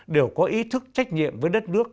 đều có ý thức trách nhiệm với đất nước